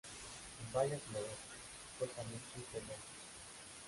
Bayas globosas, cortamente pelosas.